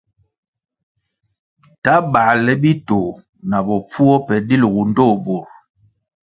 Ta bāle bitoh na bopfuo pe dilʼgu ndtoh bur.